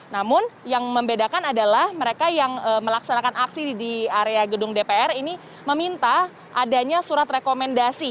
namun yang membedakan adalah mereka yang melaksanakan aksi di area gedung dpr ini meminta adanya surat rekomendasi